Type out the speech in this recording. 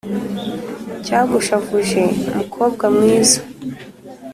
cyagushavuje mukobwa mwiza?”